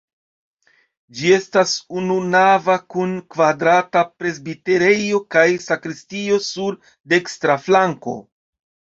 Ĝi estas ununava kun kvadrata presbiterejo kaj sakristio sur dekstra flanko.